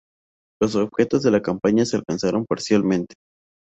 Los objetivos de la campaña se alcanzaron parcialmente.